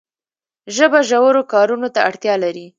ژبه ژورو کارونو ته اړتیا لري.